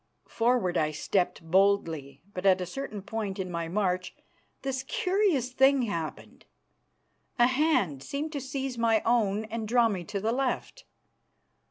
Forward I stepped boldly, but at a certain point in my march this curious thing happened. A hand seemed to seize my own and draw me to the left.